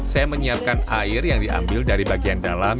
saya menyiapkan air yang diambil dari bagian dalam